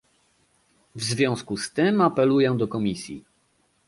W związku z tym apeluję do Komisji